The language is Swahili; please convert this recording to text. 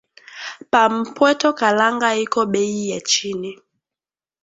Pa mpweto kalanga iko beyi ya chini